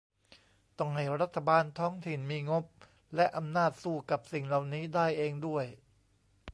ต้องให้รัฐบาลท้องถิ่นมีงบและอำนาจสู้กับสิ่งเหล่านี้ได้เองด้วย